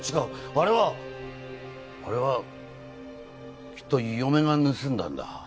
あれはあれはきっと嫁が盗んだんだ。